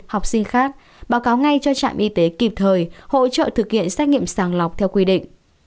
học sinh khác báo cáo ngay cho trạm y tế kịp thời hỗ trợ thực hiện xét nghiệm sàng lọc theo quy định